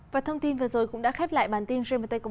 với vấn đề của tổ chức tổ chức ngoại trưởng